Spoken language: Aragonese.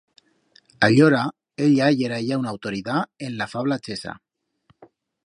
Allora ella yera ya una autoridat en la fabla chesa.